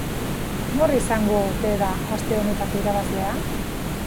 Nor izango ote da aste honetako irabazlea?